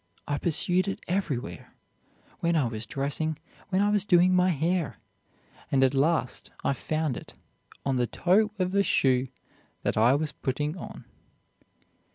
I pursued it everywhere, when I was dressing, when I was doing my hair; and at last I found it on the toe of a shoe that I was putting on."